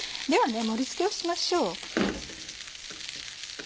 では盛り付けをしましょう。